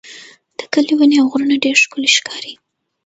د کلي ونې او غرونه ډېر ښکلي ښکاري.